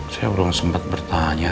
saya belum sempet bertanya